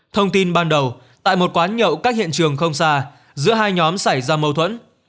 thông tin ban đầu tại một quán nhậu cách hiện trường không xa giữa hai nhóm xảy ra mâu thuẫn